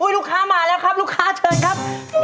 ลูกค้ามาแล้วครับลูกค้าเชิญครับ